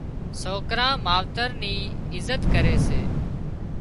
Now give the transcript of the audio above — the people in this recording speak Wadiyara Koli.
سوڪران ماوتران ني عزت ڪري سي